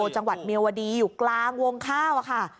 จังหวัดเมียวดีอยู่กลางวงข้าวค่ะ